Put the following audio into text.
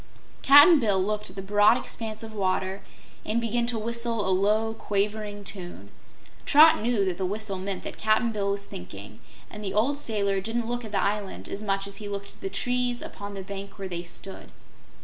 Cap'n Bill looked at the broad expanse of water and began to whistle a low, quavering tune. Trot knew that the whistle meant that Cap'n Bill was thinking, and the old sailor didn't look at the island as much as he looked at the trees upon the bank where they stood.